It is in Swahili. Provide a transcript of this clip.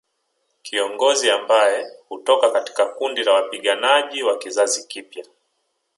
Kiongozi ambaye hutoka katika kundi la wapiganaji wa kizazi kipya